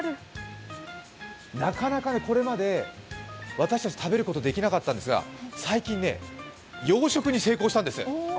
なかなかこれまで私たち、食べることができなかったんですが、最近、養殖に成功したんです。